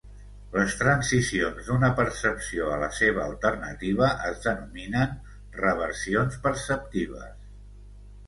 Les transicions d'una percepció a la seva alternativa es denominen reversions perceptives.